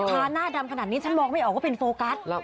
หน้าดำขนาดนี้ฉันมองไม่ออกว่าเป็นโฟกัส